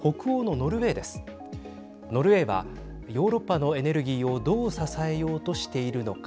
ノルウェーはヨーロッパのエネルギーをどう支えようとしているのか。